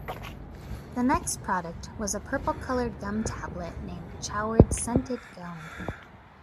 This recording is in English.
The next product was a purple colored gum tablet named "Choward's Scented Gum".